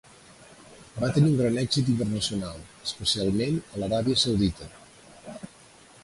Va tenir un gran èxit internacional, especialment a l'Aràbia Saudita.